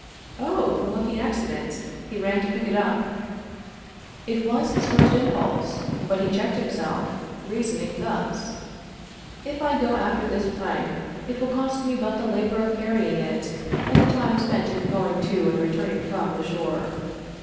Oh, the lucky accident! He ran to pick it up? It was his first impulse; but he checked himself, reasoning thus: "If I go after this plank, it will cost me but the labor of carrying it and the time spent in going to and returning from the shore.